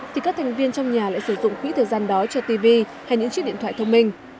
thì các thành viên trong nhà lại sử dụng quỹ thời gian đó cho tv hay những chiếc điện thoại thông minh